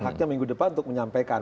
haknya minggu depan untuk menyampaikan